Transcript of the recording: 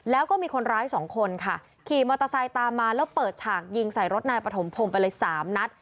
แล้วก็มีคนร้ายสองคนค่ะขี่มอเตอร์ไซค์ตามมาแล้วเปิดฉากยิงใส่รถนายปฐมพงศ์ไปเลยสามนัด